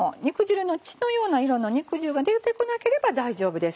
血のような色の肉汁が出てこなければ大丈夫です。